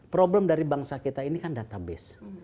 problem dari bangsa kita ini kan database